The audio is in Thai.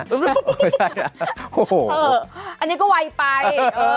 ไม่ใช่หรอโอ้โหเอออันนี้ก็ไวไปเออ